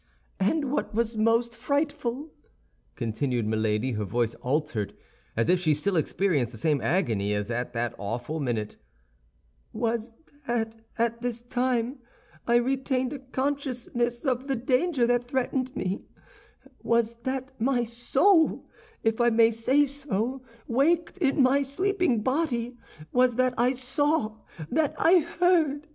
"And what was most frightful," continued Milady, her voice altered, as if she still experienced the same agony as at that awful minute, "was that at this time I retained a consciousness of the danger that threatened me; was that my soul, if I may say so, waked in my sleeping body; was that I saw, that I heard.